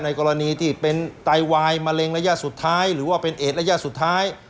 กรณีที่เป็นไตวายมะเร็งระยะสุดท้ายหรือว่าเป็นเอดระยะสุดท้าย